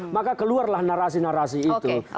maka keluarlah narasi narasi itu